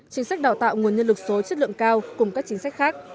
chính sách đào tạo nguồn nhân lực số chất lượng cao cùng các chính sách khác